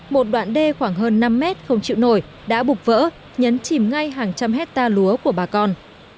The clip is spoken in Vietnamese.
một đoạn đê khoảng hơn năm mét không chịu nổi đã bục vỡ nhấn chìm ngay hàng trăm hectare lúa của bà con